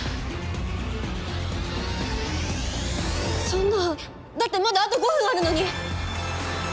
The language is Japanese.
そんなだってまだあと５分あるのに！